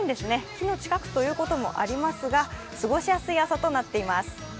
木の近くということもありますが、過ごしやすい朝となっています。